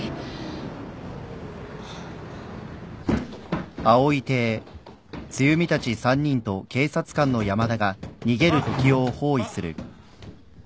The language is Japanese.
あっあっ。